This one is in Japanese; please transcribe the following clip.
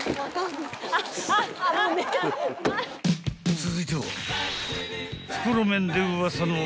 ［続いては］